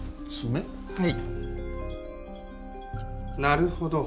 なるほど。